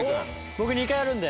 僕２回やるんで。